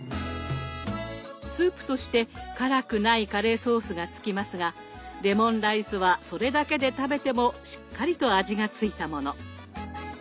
スープとして辛くないカレーソースがつきますがレモンライスはそれだけで食べてもしっかりと味がついたもの。